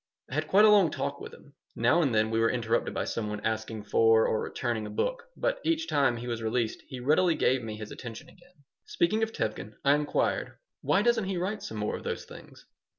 I had quite a long talk with him. Now and then we were interrupted by some one asking for or returning a book, but each time he was released he readily gave me his attention again Speaking of Tevkin, I inquired, "Why doesn't he write some more of those things?"